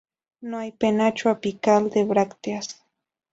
No hay penacho apical de brácteas.